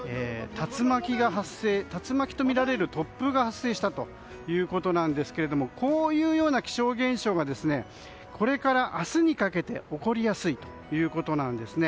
竜巻とみられる突風が発生したということですがこういうような気象現象がこれから明日にかけて起こりやすいということです。